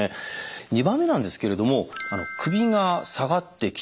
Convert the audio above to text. ２番目なんですけれども首が下がってきた